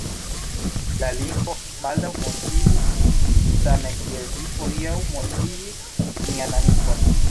La linko baldaŭ mortigus min same kiel ĝi hodiaŭ mortigis mian amikon.